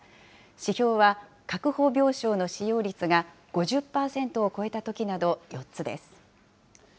指標は確保病床の使用率が５０％を超えたときなど４つです。